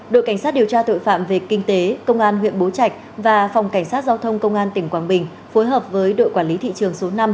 đội cảnh sát điều tra tội phạm về kinh tế công an huyện bố trạch và phòng cảnh sát giao thông công an tỉnh quảng bình phối hợp với đội quản lý thị trường số năm